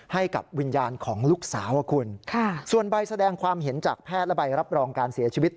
ให้กับวิญญาณของลูกสาวคุณค่ะส่วนใบแสดงความเห็นจากแพทย์และใบรับรองการเสียชีวิต